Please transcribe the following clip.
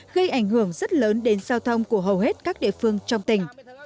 gây ảnh hưởng rất lớn đến giao thông của hầu hết các địa phương trong tỉnh